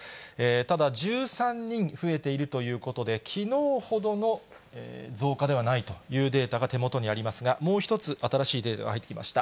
ただ、１３人増えているということで、きのうほどの増加ではないというデータが手元にありますが、もう一つ新しいデータが入ってきました。